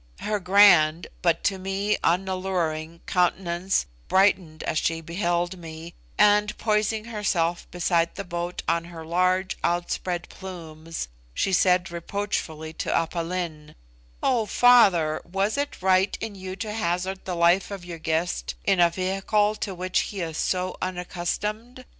Her grand, but to me unalluring, countenance brightened as she beheld me, and, poising herself beside the boat on her large outspread plumes, she said reproachfully to Aph Lin "Oh, father, was it right in you to hazard the life of your guest in a vehicle to which he is so unaccustomed?